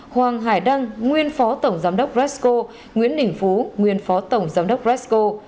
hoàng hải đăng nguyên phó tổng giám đốc resco nguyễn đình phú nguyên phó tổng giám đốc resco